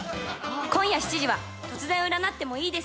［今夜７時は『突然占ってもいいですか？』］